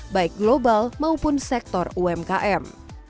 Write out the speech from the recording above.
baik global maupun sektor umkm